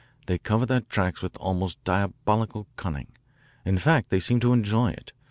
They cover their tracks with almost diabolical cunning. In fact they seem to enjoy it.